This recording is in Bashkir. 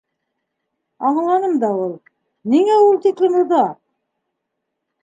— Аңланым да ул, ниңә ул тиклем оҙаҡ?..